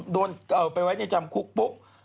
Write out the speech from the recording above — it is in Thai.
โดนเอาไว้ในจำคุกปุ๊บ